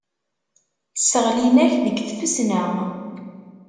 Sseɣlin-ak deg tfesna.